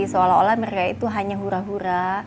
seolah olah mereka itu hanya hura hura